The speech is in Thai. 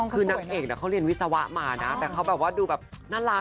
คือนางเอกเขาเรียนวิศวะมานะแต่เขาแบบว่าดูแบบน่ารัก